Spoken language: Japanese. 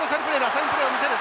サインプレーを見せる。